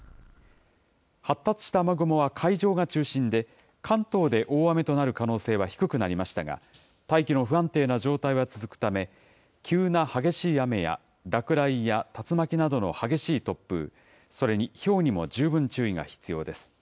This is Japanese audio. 発達した雨雲は海上が中心で、関東で大雨となる可能性は低くなりましたが、大気の不安定な状態は続くため、急な激しい雨や落雷や竜巻などの激しい突風、それにひょうにも十分注意が必要です。